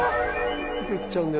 すぐ行っちゃうんだよ